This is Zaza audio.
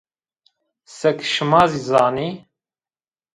Seke şima zî zanî